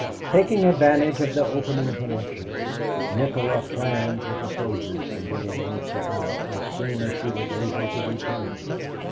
Taking advantage of the opening connections, Nikola planned with the soldiers for getting Nancy out as soon as she was able to be carried.